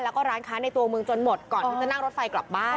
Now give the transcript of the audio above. แล้วก็ร้านค้าในตัวเมืองจนหมดก่อนที่จะนั่งรถไฟกลับบ้าน